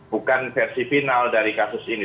bukan versi final dari kasus ini